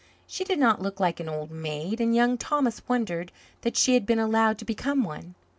She did not look like an old maid, and Young Thomas wondered that she had been allowed to become one.